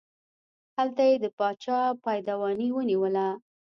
هلته یې د باچا پایدواني ونیوله.